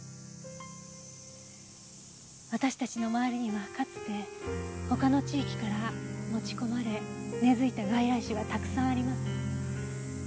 私たちの周りにはかつて他の地域から持ち込まれ根付いた外来種がたくさんあります。